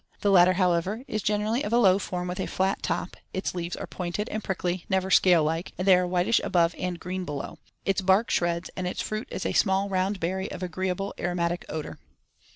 The latter, however, is generally of a low form with a flat top. Its leaves are pointed and prickly, never scale like, and they are whitish above and green below. Its bark shreds and its fruit is a small round berry of agreeable aromatic odor.